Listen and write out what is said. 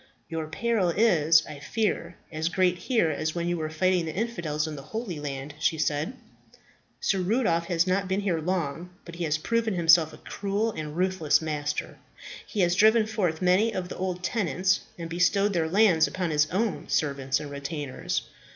"Your peril is, I fear, as great here as when you were fighting the infidels in the Holy Land," she said. "Sir Rudolph has not been here long; but he has proved himself a cruel and ruthless master. He has driven forth many of the old tenants and bestowed their lands upon his own servants and retainers.